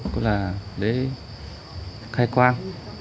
cũng là lễ khai quang